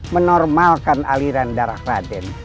menormalkan aliran darah raden